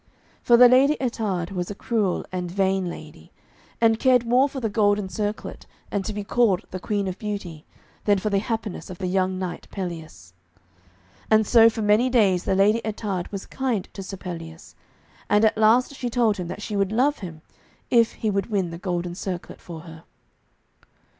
"' For the Lady Ettarde was a cruel and vain lady, and cared more for the golden circlet and to be called the 'Queen of Beauty,' than for the happiness of the young knight Pelleas. And so for many days the Lady Ettarde was kind to Sir Pelleas, and at last she told him that she would love him if he would win the golden circlet for her.